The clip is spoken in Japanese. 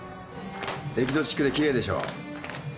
エキゾチックでキレイでしょ？